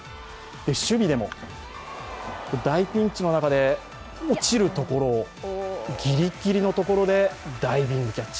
守備でも大ピンチの中で、落ちるところをギリギリのところでダイビングキャッチ。